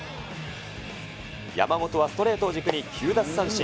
山本はストレートを軸に９奪三振。